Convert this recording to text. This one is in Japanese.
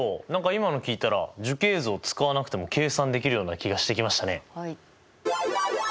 今の聞いたら樹形図を使わなくても計算できるような気がしてきましたね。